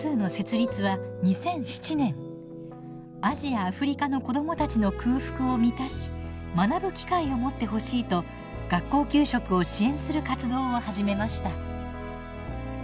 アジア・アフリカの子どもたちの空腹を満たし学ぶ機会を持ってほしいと学校給食を支援する活動を始めました。